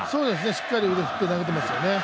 しっかり腕振って、投げてますよね。